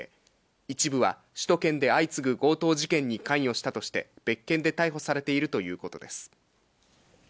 一部は首都圏で相次ぐ強盗事件に関与したとして、別件で逮捕されているということです。